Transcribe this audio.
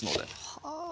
はあ。